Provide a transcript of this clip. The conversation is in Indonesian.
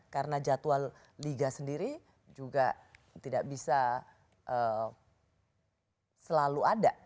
karena jadwal liga sendiri juga tidak bisa selalu ada